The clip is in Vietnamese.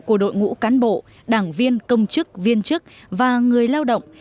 của đội ngũ cán bộ đảng viên công chức viên chức và người lao động